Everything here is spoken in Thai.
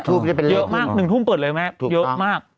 ทูปจะเป็นเล็ก๙ษเยอะมาก๑ธุมเปิดเลยแม่ยอะมาก